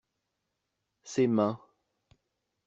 Ses mains.